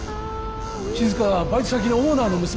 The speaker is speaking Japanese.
しずかはバイト先のオーナーの娘。